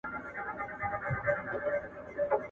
دنګ زلمی له مورنۍ غیږي وم تللی.